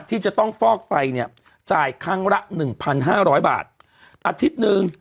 ที่จะต้องฟอกไตเนี่ยจ่ายครั้งละหนึ่งพันห้าร้อยบาทอาทิตย์หนึ่ง